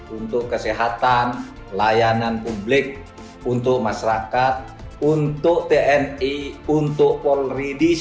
untuk kesehatan layanan publik untuk masyarakat untuk tni untuk polri